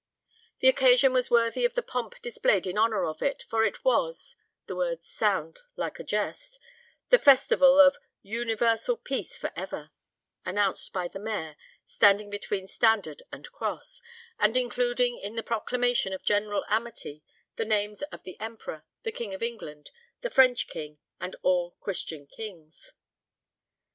The occasion was worthy of the pomp displayed in honour of it, for it was the words sound like a jest the festival of a "Universal Peace for ever," announced by the Mayor, standing between standard and cross, and including in the proclamation of general amity the names of the Emperor, the King of England, the French King, and all Christian Kings.